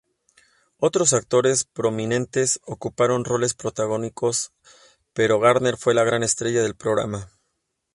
Otros actores prominentes ocuparon roles protagónicos, pero Garner fue la gran estrella del programa.